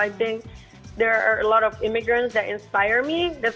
jadi saya pikir ada banyak imigran yang menginspirasi saya